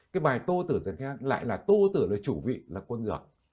cái bài tô tử dán khí thang lại là tô tử là chủ vị là quân lược